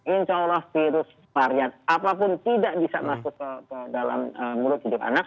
insya allah virus varian apapun tidak bisa masuk ke dalam mulut hidup anak